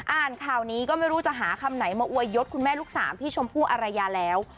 อ่านข่าวนี้ก็ไม่รู้จะหาคำไหนมาอวยยศคุณแม่ลูกสามพี่ชมพู่อารยาแล้ว